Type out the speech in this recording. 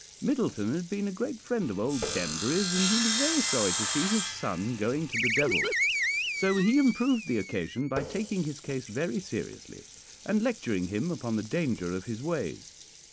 "Middleton had been a great friend of old Danbury's, and he was very sorry to see his son going to the devil; so he improved the occasion by taking his case very seriously, and lecturing him upon the danger of his ways.